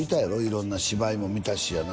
色んな芝居も見たしやな